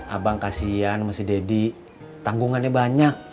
abang kasihan sama si deddy tanggungannya banyak